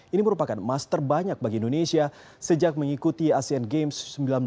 ini merupakan emas terbanyak bagi indonesia sejak mengikuti asean games seribu sembilan ratus delapan puluh